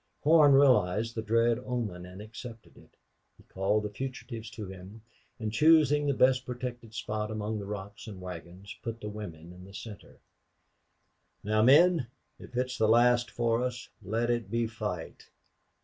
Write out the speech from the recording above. Horn realized the dread omen and accepted it. He called the fugitives to him and, choosing the best protected spot among the rocks and wagons, put the women in the center. "Now, men if it's the last for us let it be fight!